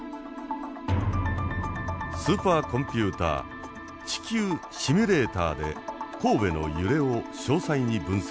スーパーコンピューター地球シミュレータで神戸の揺れを詳細に分析しています。